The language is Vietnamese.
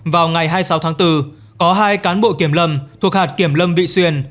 vào ngày hai mươi sáu tháng bốn có hai cán bộ kiểm lâm thuộc hạt kiểm lâm vị xuyên